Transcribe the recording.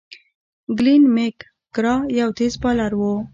گلين میک ګرا یو تېز بالر وو.